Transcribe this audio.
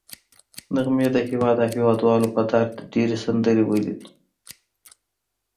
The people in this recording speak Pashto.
نغمې د هېواد او هېوادوالو په درد ډېرې سندرې ویلي دي